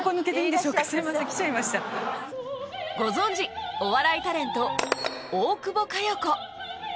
ご存じお笑いタレント大久保佳代子